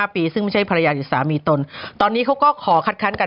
ปีซึ่งไม่ใช่ภรรยาหรือสามีตนตอนนี้เขาก็ขอคัดค้านกัน